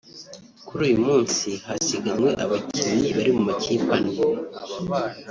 Kuri uyu munsi hasiganwe abakinnyi bari mu makipe ane